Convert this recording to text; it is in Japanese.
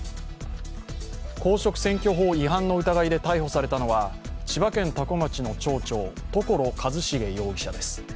公職選挙法違反の疑いで逮捕されたのは千葉県多古町の町長、所一重容疑者です。